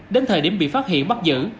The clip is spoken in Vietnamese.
đến thời điểm bị phát hiện bắt giữ